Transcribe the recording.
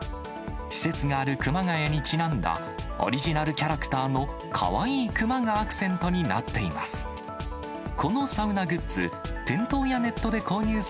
施設がある熊谷にちなんだオリジナルキャラクターのかわいい熊がアクセントになっています。